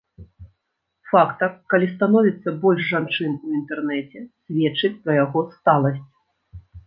Фактар, калі становіцца больш жанчын у інтэрнэце, сведчыць пра яго сталасць.